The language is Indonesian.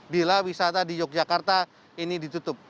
bila wisata di yogyakarta ini ditutup